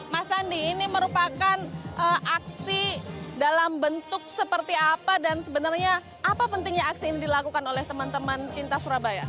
mas sandi ini merupakan aksi dalam bentuk seperti apa dan sebenarnya apa pentingnya aksi ini dilakukan oleh teman teman cinta surabaya